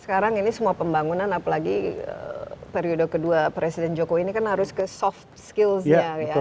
sekarang ini semua pembangunan apalagi periode kedua presiden jokowi ini kan harus ke soft skills nya ya